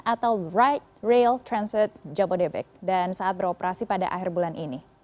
atau right rail transit jabodebek dan saat beroperasi pada akhir bulan ini